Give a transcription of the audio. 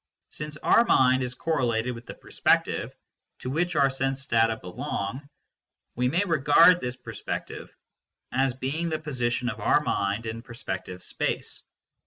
Since our mind is correlated with the perspective to which our sense data belong, we may regard this perspective as being the position of our mind in perspective space.